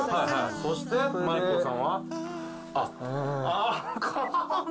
そしてマイケルさんは？